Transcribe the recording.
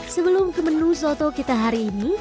sebelum ke menu soto kita hari ini